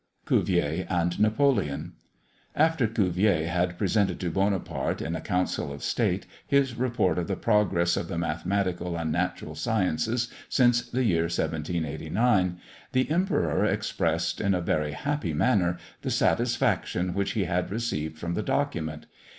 CUVIER AND NAPOLEON. After Cuvier had presented to Buonaparte, in a Council of State, his Report of the Progress of the Mathematical and Natural Sciences since the year 1789, the Emperor expressed, in a very happy manner, the satisfaction which he had received from the document.